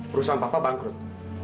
perusahaan papa bangkrut